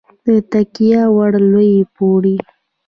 د تکیې وړ لوړ پوړی